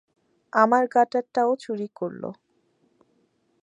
আমার গাটারটাও চুরি করলো!